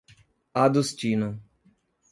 Adustina